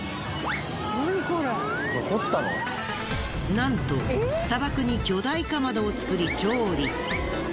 なんと砂漠に巨大竈を作り調理。